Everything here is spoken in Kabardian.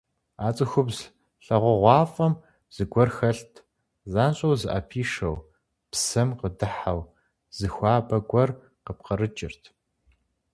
А цӀыхубз лъагъугъуафӀэм зыгуэр хэлът, занщӀэу узыӀэпишэу, псэм къыдыхьэу зы хуабэ гуэр къыпкърыкӀырт.